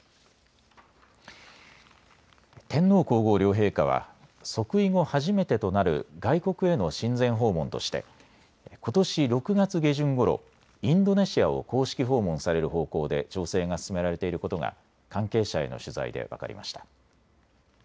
天皇皇后両陛下は即位後初めてとなる外国への親善訪問としてことし６月下旬ごろインドネシアを公式訪問される方向で調整が進められていることが関係者への取材で分かりました。